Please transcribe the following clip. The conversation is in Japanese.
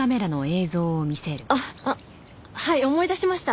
あっはい思い出しました。